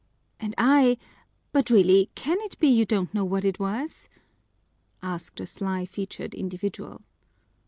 "And I but really, can it be you don't know what it was?" asked a sly featured individual.